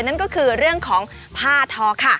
นั่นก็คือเรื่องของผ้าทอค่ะ